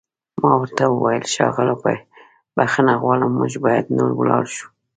ما ورته وویل: ښاغلو، بښنه غواړم موږ باید نور ولاړ شو.